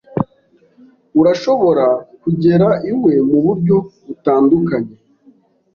Urashobora kugera iwe muburyo butandukanye.